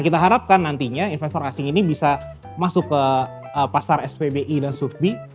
kita harapkan nantinya investor asing ini bisa masuk ke pasar spbi dan subbie